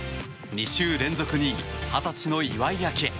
２週連続２位二十歳の岩井明愛。